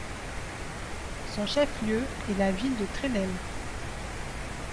Son chef-lieu est la ville de Trenel.